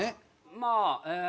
まあええー